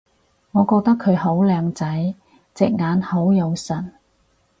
我覺得佢好靚仔！隻眼好有神